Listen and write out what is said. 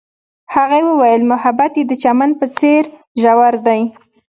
هغې وویل محبت یې د چمن په څېر ژور دی.